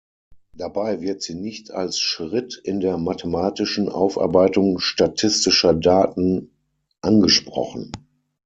Dabei wird sie nicht als Schritt in der mathematischen Aufarbeitung statistischer Daten angesprochen.